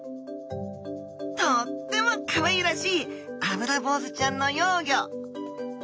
とってもかわいらしいアブラボウズちゃんの幼魚。